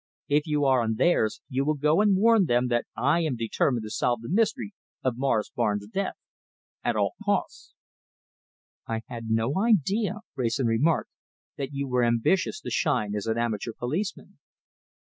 If you are on theirs, you will go and warn them that I am determined to solve the mystery of Morris Barnes' death at all costs." "I had no idea," Wrayson remarked quietly, "that you were ambitious to shine as an amateur policeman."